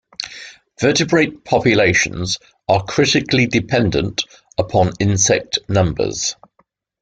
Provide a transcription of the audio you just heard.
Vertebrate populations are critically dependent upon insect numbers.